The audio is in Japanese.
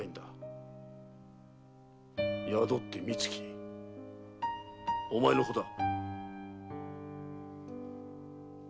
宿って三月お前の子だ。